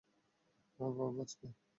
আমার বাবা বাঁচবে?